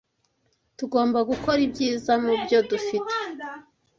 Tugomba gukora ibyiza mubyo dufite.